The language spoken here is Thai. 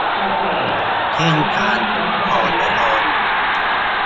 เส้นทางชุมพรระนอง